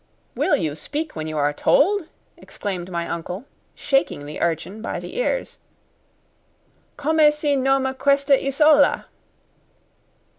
"Will you speak when you are told?" exclaimed my uncle, shaking the urchin by the ears. "_Come si noma questa isola?